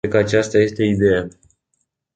Cred că nu aceasta este ideea.